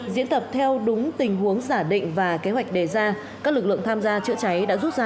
diễn tập theo đúng tình huống giả định và kế hoạch đề ra các lực lượng tham gia chữa cháy đã rút ra